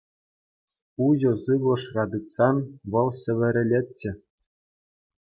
Уҫӑ сывлӑшра тытсан вӑл сӗвӗрӗлетчӗ.